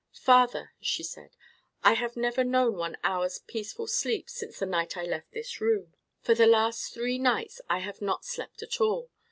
"Father," she said, "I have never known one hour's peaceful sleep since the night I left this room. For the last three nights I have not slept at all.